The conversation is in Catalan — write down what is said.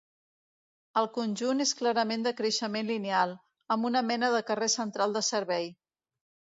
El conjunt és clarament de creixement lineal, amb una mena de carrer central de servei.